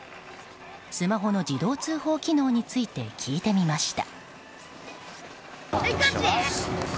スマホの自動通報機能について聞いてみました。